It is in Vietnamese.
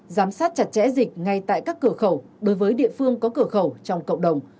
giám sát chặt chẽ dịch ngay tại các cửa khẩu đối với địa phương có cửa khẩu trong cộng đồng